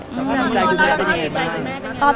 สภาพติดใจคุณแม่เป็นยังไงบ้าง